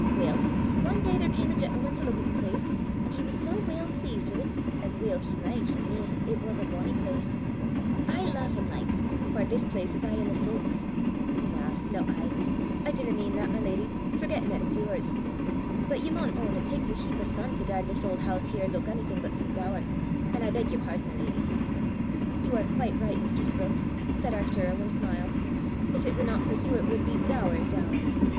Weel, ae day there cam a gentleman to luik at the place, an' he was sae weel pleased wi' 't as weel he micht, for eh, it was a bonnie place! aye lauchin' like, whaur this place is aye i' the sulks! na, no aye! I dinna mean that, my leddy, forgettin' at it's yours! but ye maun own it taks a heap o' sun to gar this auld hoose here luik onything but some dour an' I beg yer pardon, my leddy!" "You are quite right, mistress Brookes!" said Arctura with a smile. "If it were not for you it would be dour dour.